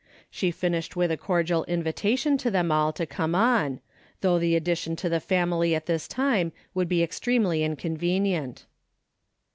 She finished with a cordial invi tation to them all to come on, though the ad dition to the family at this time would be ex tremely inconvenient.